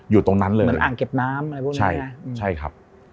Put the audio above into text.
อยู่ตรงนั้นเลยเหมือนอ่างเก็บน้ำอะไรพวกนี้ใช่ไหมใช่ครับ